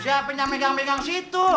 siapa yang pegang pegang situ